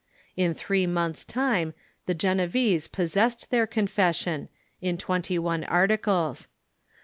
In three months' time the Genevese possessed their Confession, in twenty one articles.